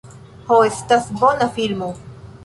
Ho, estas bona filmo.